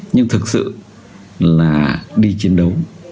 nhưng thực sự là đi chiến đấu